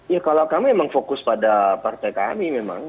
ya kalau kami memang fokus pada partai kami memang